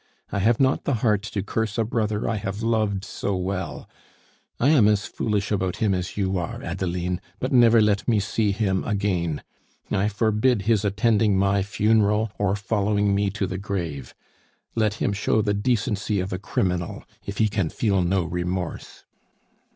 I have not the heart to curse a brother I have loved so well I am as foolish about him as you are, Adeline but never let me see him again. I forbid his attending my funeral or following me to the grave. Let him show the decency of a criminal if he can feel no remorse."